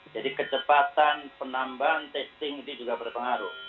jadi kecepatan penambahan testing ini juga berpengaruh